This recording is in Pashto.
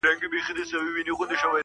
لږ څه نور فکر هم وکړ